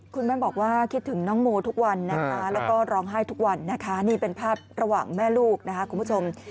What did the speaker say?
คุณแม่บอกว่าคิดถึงน้องโมทุกวันนะคะแล้วก็ร้องไห้ทุกวันนะคะนี่เป็นภาพระหว่างแม่ลูกนะคะคุณผู้ชม